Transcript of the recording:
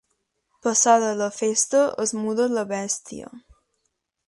Passada la festa es muda la bèstia.